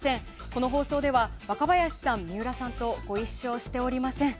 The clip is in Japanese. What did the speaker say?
この放送では若林さん、水卜さんとご一緒しておりません。